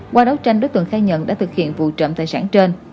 qua đấu tranh đối tượng khai nhận đã thực hiện vụ trộm tài sản trên